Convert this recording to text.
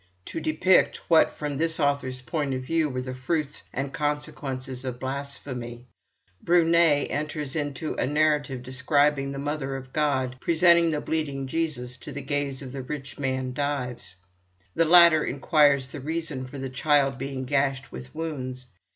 To depict what, from this author's point of view, were the fruits and consequences of blasphemy, Brunné enters into a narrative describing the Mother of God presenting the bleeding Jesus to the gaze of the rich man Dives. The latter inquires the reason for the Child being gashed with wounds.